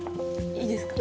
いいですか？